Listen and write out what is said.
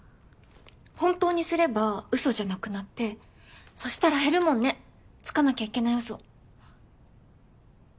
本当にすればうそじゃなくなってそしたら減るもんねつかなきゃいけないうそ。